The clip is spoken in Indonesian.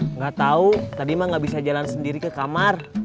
nggak tahu tadi mah gak bisa jalan sendiri ke kamar